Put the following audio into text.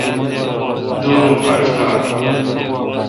دور اوں با ݭ گاڑ۔